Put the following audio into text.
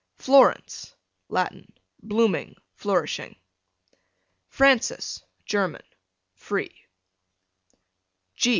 Florence, Latin, blooming, flourishing. Frances, German, free.